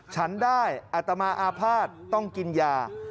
ฉันได้อัตมาอาภาษณ์ต้องกินยา